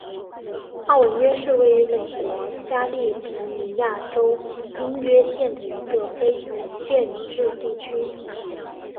奥文约是位于美国加利福尼亚州因约县的一个非建制地区。